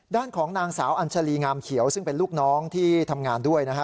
ด้านของนางสาวอัญชาลีงามเขียวซึ่งเป็นลูกน้องที่ทำงานด้วยนะฮะ